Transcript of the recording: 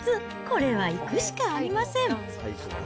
これは行くしかありません。